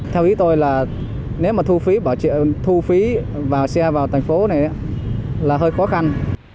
theo ý tôi là nếu mà thu phí vào xe vào thành phố này là hơi khó khăn